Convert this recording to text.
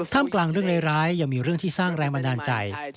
ท่ามกลางเรื่องร้ายยังมีเรื่องที่สร้างแรงบันดาลใจ